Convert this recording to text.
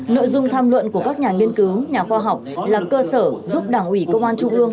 nội dung tham luận của các nhà nghiên cứu nhà khoa học là cơ sở giúp đảng ủy công an trung ương